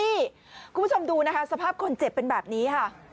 นี่คุณผู้ชมดูสภาพคนเจ็บวันนี้